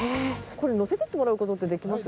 乗せてってもらうことってできます？